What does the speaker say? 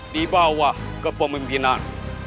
di bawah kepemimpinan